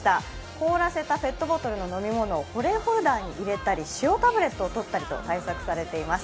凍らせたペットボトルの飲み物を保冷ホルダーに入れたり、塩タブレットを取ったりと対策されています。